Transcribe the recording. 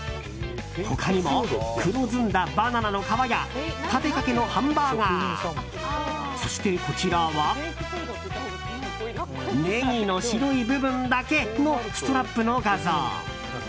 他にも、黒ずんだバナナの皮や食べかけのハンバーガーそしてこちらはネギの白い部分だけのストラップの画像。